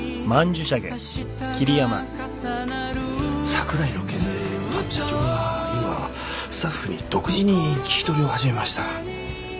櫻井の件であの社長が今スタッフに独自に聞き取りを始めました。